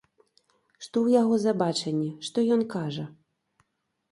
Што ў яго за бачанне, што ён кажа.